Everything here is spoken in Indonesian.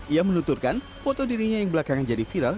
ia menuturkan foto dirinya yang belakangan jadi viral